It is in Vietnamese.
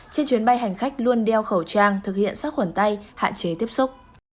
trên chuyến bay hành khách luôn đeo khẩu trang thực hiện sát khuẩn tay hạn chế tiếp xúc